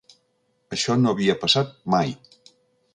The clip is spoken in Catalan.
Això no havia passat mai.